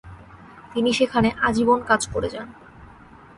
তিনি সেখানে আজীবন কাজ করে যান।